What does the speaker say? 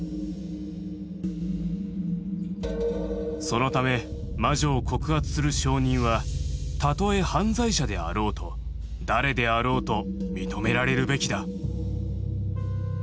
「そのため魔女を告発する証人はたとえ犯罪者であろうと誰であろうと認められるべきだ」。